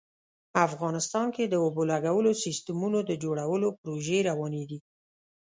افغانستان کې د اوبو لګولو سیسټمونو د جوړولو پروژې روانې دي